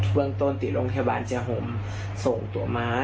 เมืองต้นติดโรงพยาบาลเจห่มส่งตัวม้า